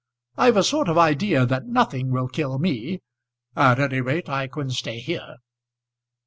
I've a sort of idea that nothing will kill me. At any rate I couldn't stay here."